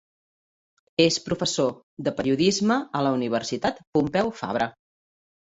És professor de periodisme a la Universitat Pompeu Fabra.